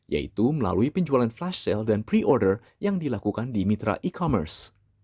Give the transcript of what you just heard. yaitu melalui penjualan flash sale dan pre order yang dilakukan di mitra e commerce